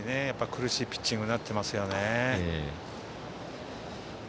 苦しいピッチングになっています。